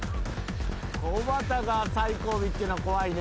おばたが最後尾っていうのは怖いね。